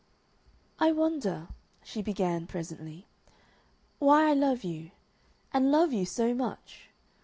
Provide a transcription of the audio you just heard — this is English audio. "I wonder," she began, presently, "why I love you and love you so much?...